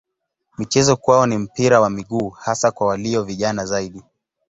Michezo kwao ni mpira wa miguu hasa kwa walio vijana zaidi.